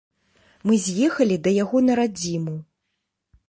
Мы з'ехалі да яго на радзіму.